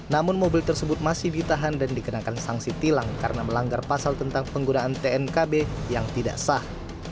namun mobil tersebut masih ditahan dan dikenakan sanksi tilang karena melanggar pasal tentang penggunaan tnkb yang tidak sah